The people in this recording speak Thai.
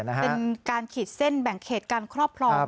เป็นการขีดเส้นแบ่งเขตการครอบครอง